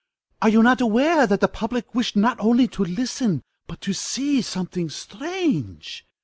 Are you not aware that the public wish not only to listen, but to see something strange?